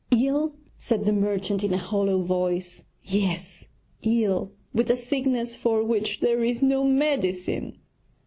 'Ill?' said the merchant in a hollow voice, 'yes; ill with a sickness for which there is no medicine.'